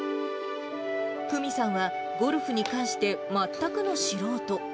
久美さんは、ゴルフに関して全くの素人。